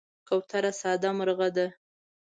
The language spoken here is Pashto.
کوتره ساده مرغه ده.